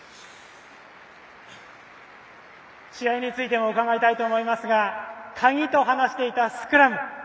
試合についても伺いたいと思いますが鍵と話していたスクラム。